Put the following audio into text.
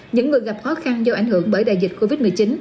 những người gặp khó khăn do ảnh hưởng bởi đại dịch covid một mươi chín